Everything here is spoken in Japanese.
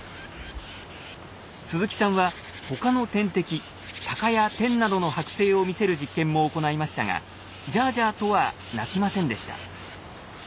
鈴木さんは他の天敵タカやテンなどの剥製を見せる実験も行いましたが「ジャージャー」とは鳴きませんでした。